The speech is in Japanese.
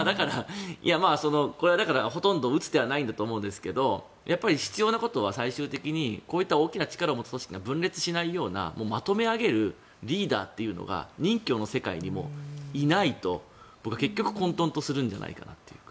だから、ほとんど打つ手はないんだと思うんですが必要なことは最終的にこういった大きな力を持つ組織が分裂しないようなまとめ上げるリーダーというのが任侠の世界にもいないと僕は結局混とんとするんじゃないかとか。